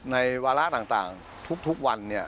วาระต่างทุกวัน